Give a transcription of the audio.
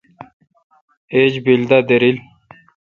ایج بیل دا دریل۔